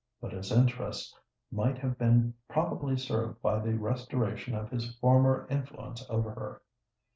But his interests might have been probably served by the restoration of his former influence over her.